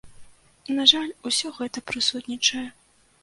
На жаль, усё гэта прысутнічае.